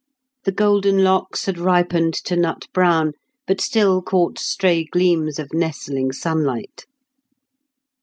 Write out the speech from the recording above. The golden locks had ripened to nut brown, but still caught stray gleams of nestling sunlight.